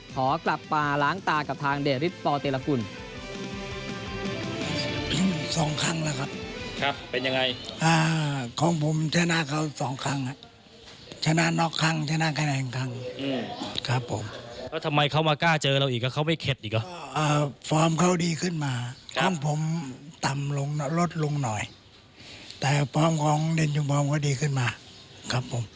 ขอกลับมาล้างตากับทางเดริสปเตรกุล